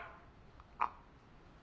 あっ！